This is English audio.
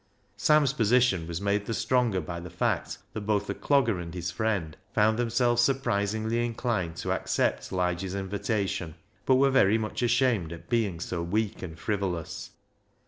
Sam's position was made the stronger by the fact that both the Clogger and his friend found themselves surprisingly inclined to accept Lige's invitation, but were very much ashamed at being so weak and frivolous.